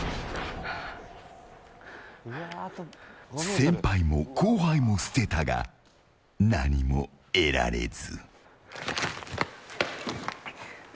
先輩も後輩も捨てたが何も得られず。